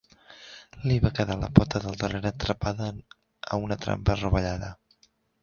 Li va quedar la pota del darrere atrapada a una trampa rovellada.